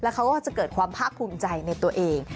เขาก็จะเกิดความภาคภูมิใจในตัวเอง